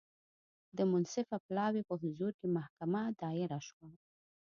د منصفه پلاوي په حضور کې محکمه دایره شوه.